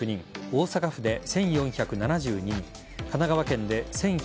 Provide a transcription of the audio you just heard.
大阪府で１４７２人